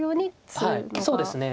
はいそうですね。